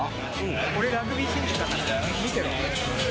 俺、ラグビー選手だったんだから、見てろ。